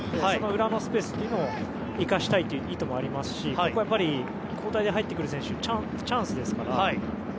その裏のスペースを生かしたいという意図もありますし交代で入ってくる選手はチャンスですから。